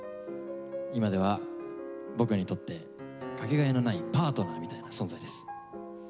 今では僕にとってかけがえのないパートナーみたいな存在です。